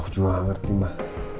aku juga gak ngerti mbak